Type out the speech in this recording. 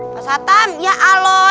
pak satam ya aloh